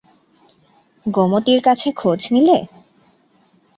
গোমতীর কাছে খোঁজ নিলে?